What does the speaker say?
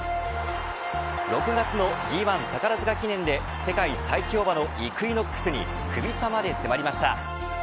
６月のＧ１宝塚記念で世界最強馬のイクイノックスにクビ差まで迫りました。